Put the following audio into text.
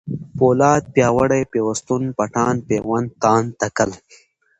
پولاد ، پیاوړی ، پيوستون ، پټان ، پېوند ، تاند ، تکل